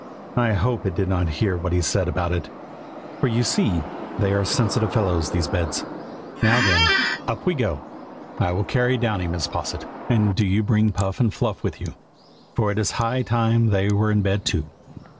I hope it did not hear what he said about it, for you see they are sensitive fellows, these beds. Now then, up we go! I will carry Downy, Mrs. Posset, and do you bring Puff and Fluff with you, for it is high time that they were in bed too."